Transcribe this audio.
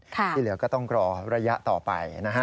ที่เหลือก็ต้องรอระยะต่อไปนะฮะ